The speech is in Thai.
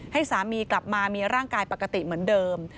ให้สามีกลับมามีร่างกายปกติเหมือนเดิม